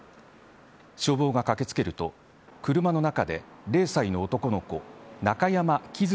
消防が駆け付けると車の中で０歳の男の子中山喜寿